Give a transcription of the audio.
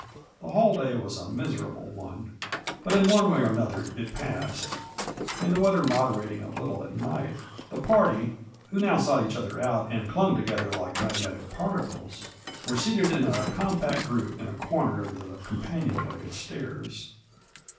Tbe whole day was a miserable one; but in one way or another it pas^d, and tbe , weather moderating a little at night, the party, who now sought each other out and clung together like magnetic particles, were Digitized by VjOOQIC MABJORT. 115 seated in a compact group in a corner of the companion way stairs.